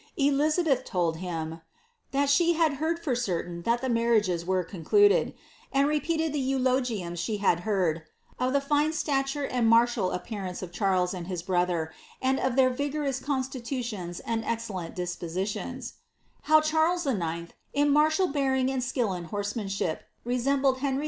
■ LIIABBTK. 315 Mhit she had heard for certain that the marriages were concluded,'^ and npeated the euloginms she had heard ^ of the fine stature and martial* i||)earance of Charles and )iis brother^ and of their vigorous constitu iIbbb and exodlent dispositions ;' how Charles IX^ in martial bearing md skill in horsemanship, resembled Henry II.